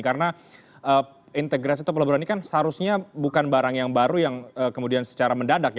karena integrasi topel berlalu ini kan seharusnya bukan barang yang baru yang kemudian secara mendadak ya